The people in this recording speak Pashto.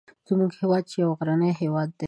زموږ هیواد چې یو غرنی هیواد دی